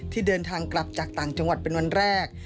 ที่เดินทางกลับจากต่างจังหวัดเป็นวันแรก